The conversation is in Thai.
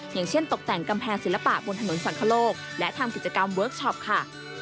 อย่างเช่นตกแต่งกำแพงศิลปะบนถนนสังคโลกและทำกิจกรรมเวิร์คชอปค่ะ